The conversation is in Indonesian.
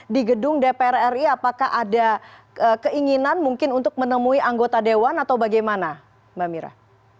di gedung dpr ri apakah ada keinginan mungkin untuk menemui anggota dewan atau bagaimana mbak mira